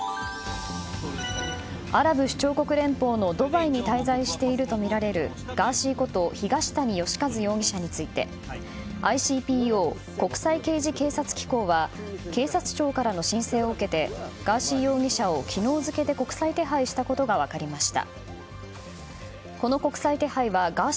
アラブ首長国連邦のドバイに滞在しているとみられるガーシーこと東谷義和容疑者についてＩＣＰＯ・国際刑事警察機構は警察庁からの申請を受けてガーシー容疑者を昨日付で国際手配したことが分かりました。